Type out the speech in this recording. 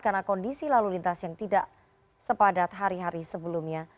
karena kondisi lalu lintas yang tidak sepadat hari hari sebelumnya